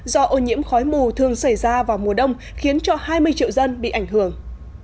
do ô nhiễm khói mù thường xảy ra vào mùa đông khiến cho hai mươi triệu dân bị ảnh hưởng